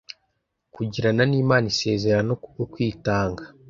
kugirana n’Imana isezerano kubwo kwitanga,